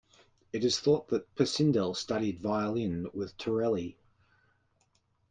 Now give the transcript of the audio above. It is thought that Pisendel studied the violin with Torelli.